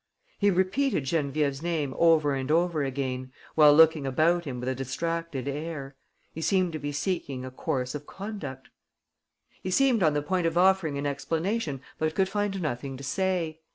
He repeated Geneviève's name over and over again, while looking about him with a distracted air. He seemed to be seeking a course of conduct. He seemed on the point of offering an explanation but could find nothing to say.